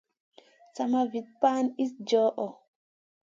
Sama Vit pana iss djoho.